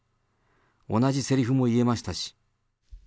同じせりふも言えましたし。